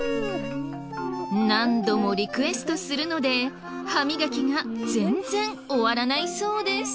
何度もリクエストするので歯磨きが全然終わらないそうです。